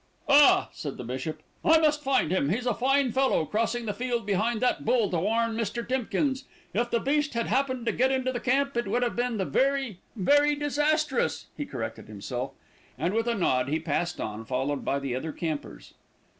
"Ah," said the bishop. "I must find him. He's a fine fellow, crossing the field behind that bull to warn Mr. Timkins. If the beast had happened to get into the camp, it would have been the very very disastrous," he corrected himself, and with a nod he passed on followed by the other campers.